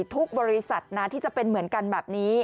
ทุกบริษัทนะที่จะเป็นเหมือนกันแบบนี้